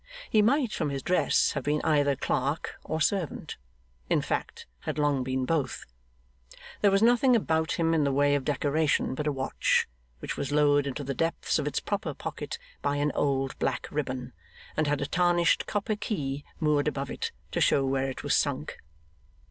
He might, from his dress, have been either clerk or servant, and in fact had long been both. There was nothing about him in the way of decoration but a watch, which was lowered into the depths of its proper pocket by an old black ribbon, and had a tarnished copper key moored above it, to show where it was sunk.